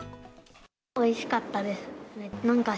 おいしかったです。